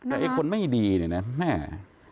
แต่ไอ้คนไม่ดีเนี่ยนะแม่